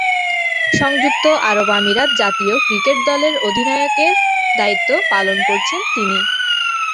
সংযুক্ত আরব আমিরাত জাতীয় ক্রিকেট দলের অধিনায়কের দায়িত্ব পালন করছেন তিনি।